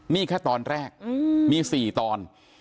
นี่แค่ตอนแรกมี๔ตอน